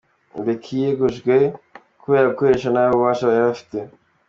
Mbeki yegujwe kubera gukoresha nabi ububasha yari afite.